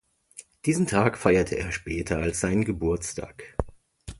Diesen Tag feierte er später als seinen Geburtstag.